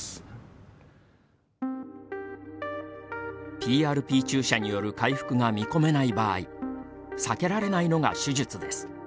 ＰＲＰ注射による回復が見込めない場合避けられないのが手術です。